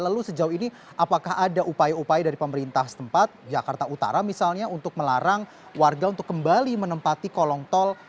lalu sejauh ini apakah ada upaya upaya dari pemerintah setempat jakarta utara misalnya untuk melarang warga untuk kembali menempati kolong tol